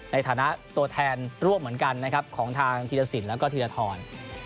ในฐานะตัวแทนร่วมเหมือนกันนะครับของทางธีรสินแล้วก็ธีรทร